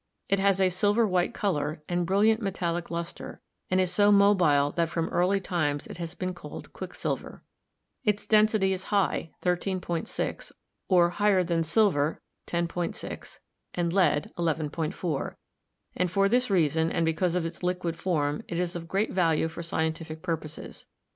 It has a silver white color and brilliant metallic luster, and is so mobile that from early times it has been called 'quicksilver.' Its density is high, 13.6, or higher than silver (10.6) and lead (11.4), and for this reason and because of its liquid form it is of great value for scientific purposes.